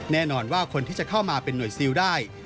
แน่นอนว่าคนที่จะเข้ามาเป็นหน่วยซิลได้